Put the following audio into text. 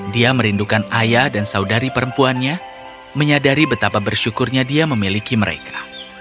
dia merindukan ayah dan saudari perempuannya menyadari betapa bersyukurnya dia memiliki mereka